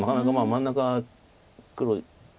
真ん中黒